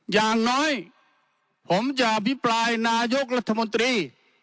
อย่างน้อยผมจะอภิปรายนายกรัฐมนตรี